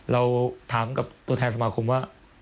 เราถามกับตัวแทนสมาคมว่า